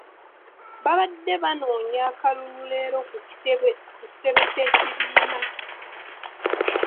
Babadde banoonya akalulu leero ku kitebe ky’ekibiina.